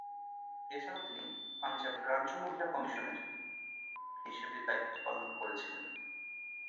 এছাড়াও তিনি পাঞ্জাব রাজ্য মহিলা কমিশনের হিসেবে দায়িত্ব পালন করেছিলেন।